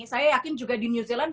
saya yakin juga di new zealand